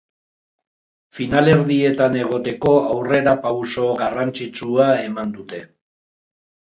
Finalerdietan egoteko aurrerapauso garrantzitsua eman dute.